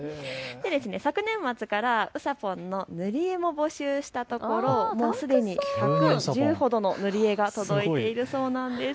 昨年末からうさぽんの塗り絵を募集したところすでに１１０ほどの塗り絵が届いているそうなんです。